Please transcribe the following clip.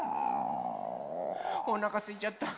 おなかすいちゃった。